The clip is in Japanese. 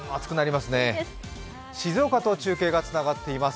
静岡と中継がつながっています。